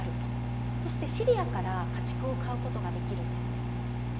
そしてシリアから家畜を買うことができるんです。